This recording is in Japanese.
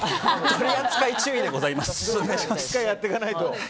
取扱注意でございます。